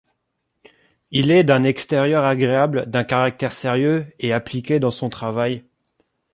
Il est d'un extérieur agréable, d'un caractère sérieux, et appliqué dans son travail.